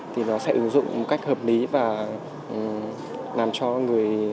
thì nó sẽ ứng dụng một cách hợp lý và làm cho người